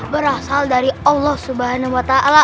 berasal dari allah swt